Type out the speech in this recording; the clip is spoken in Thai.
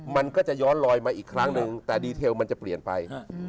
มันก็จะย้อนลอยมาอีกครั้งหนึ่งแต่ดีเทลมันจะเปลี่ยนไป